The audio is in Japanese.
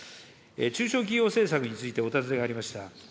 中小企業政策についてお尋ねがありました。